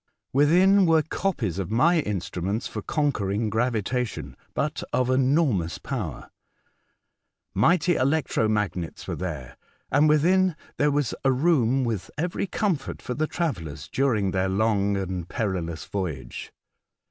Within were copies of my instruments for conquering gravi tation, but of enormous power. Mighty electro magnets were there, and within there was a room with every comfort for the travellers during their long and perilous voyage.